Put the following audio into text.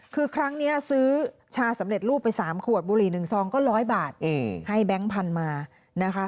คือครั้งนี้ซื้อชาสำเร็จรูปไป๓ขวดบุหรี่๑ซองก็๑๐๐บาทให้แบงค์พันธุ์มานะคะ